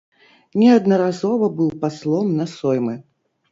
Неаднаразова быў паслом на соймы.